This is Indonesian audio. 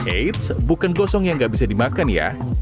eits bukan gosong yang gak bisa dimakan ya